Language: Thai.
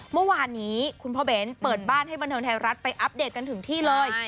เมื่อวานนี้คุณพ่อเบ้นเปิดบ้านให้บันเทิงไทยรัฐไปอัปเดตกันถึงที่เลย